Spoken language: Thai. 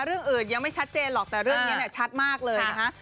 เรื่องอื่นยังไม่ชัดเจนหรอกแต่เรื่องนี้เนี่ยชัดมากเลยนะคะ